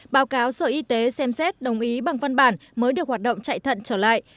báo cáo sở y tế xem xét đồng ý bằng văn bản mới được hoạt động chạy thận trở lại